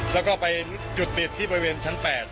แล้วก็ไปจุดติดที่บริเวณชั้น๘